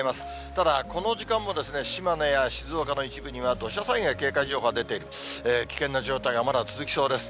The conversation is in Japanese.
ただ、この時間も島根や静岡の一部には土砂災害警戒情報が出ている、危険な状態がまだ続きそうです。